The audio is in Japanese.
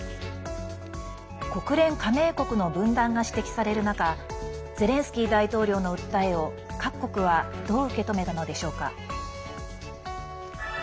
国連加盟国の分断が指摘される中ゼレンスキー大統領の訴えを各国はどう受け止めたのでしょうか。